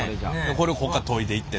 これこっから研いでいって。